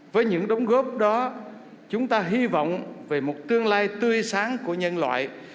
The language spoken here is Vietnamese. với những đóng góp đó chúng ta hy vọng về một tương lai tươi sáng của nhân loại